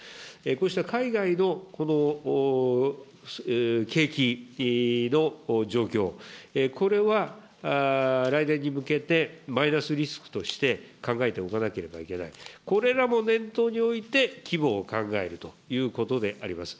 こうした海外の景気の状況、これは来年に向けて、マイナスリスクとして、考えておかなければいけない、これらも念頭において、規模を考えるということであります。